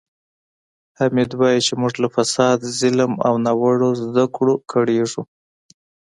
حامد وایي چې موږ له فساد، ظلم او ناوړه زده کړو کړېږو.